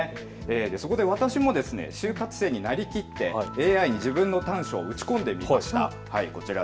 そこで私も就活生になりきってＡＩに自分の短所を打ち込んでみました。